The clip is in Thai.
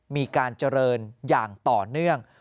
มีการเจริญอย่างต่อเนื่อง